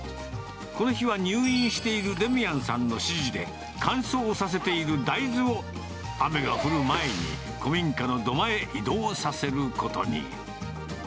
この日は入院しているデミアンさんの指示で、乾燥させている大豆を雨が降る前に古民家の土間へ移動させることに。